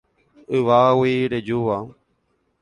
Yvágagui rejúva